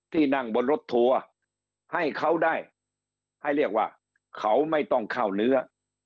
ที่นั่งบนรถทัวร์ให้เขาได้ให้เรียกว่าเขาไม่ต้องเข้าเนื้อ